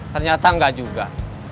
ternyata enggak juga